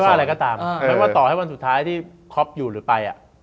ไม่ว่าอะไรก็ตามหมายถึงต่อว่าวันสุดท้ายที่ครอปอยู่หรือไป